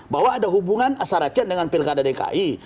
bahwa ada hubungan saracen dengan pilkada dki